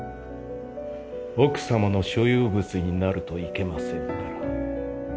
奥様の所有物になるといけませんから。